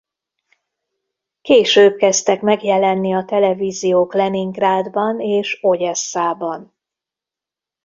Később kezdtek megjelenni a televíziók Leningrádban és Odesszában.